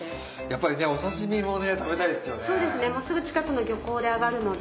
やっぱりお刺身も食べたいですよね。